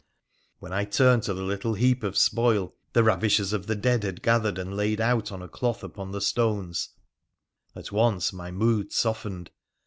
' When I turned to the little heap of spoil the ravishers of the dead had gathered and laid out on a cloth upon the stones, at once my mood softened.